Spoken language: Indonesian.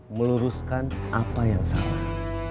meluruskan apa yang salah